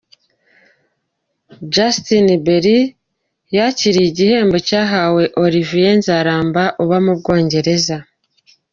Justin Belis yakira igihembo cyahawe Olivier Nzaramba uba mu Bwongereza.